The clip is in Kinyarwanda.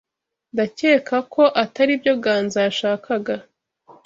Ndakeka ko atari byo Ganza yashakaga.